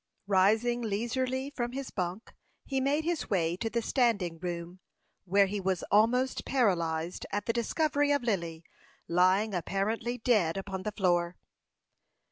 Rising leisurely from his bunk, he made his way to the standing room where he was almost paralyzed at the discovery of Lily lying apparently dead upon the floor.